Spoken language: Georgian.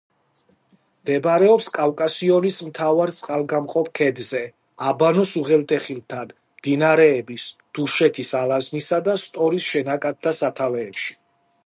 მდებარეობს კავკასიონის მთავარ წყალგამყოფ ქედზე, აბანოს უღელტეხილთან, მდინარეების თუშეთის ალაზნისა და სტორის შენაკადთა სათავეებში.